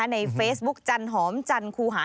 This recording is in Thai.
ในเฟซบุ๊กจันหอมจันคูหา